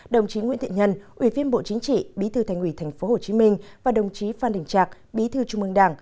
đồng chí nguyễn thiện nhân ủy viên bộ chính trị bí thư thành ủy tp hcm và đồng chí phan đình trạc bí thư trung mương đảng